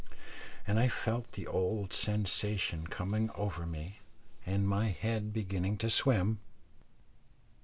and I felt the old sensation coming over me, and my head beginning to swim.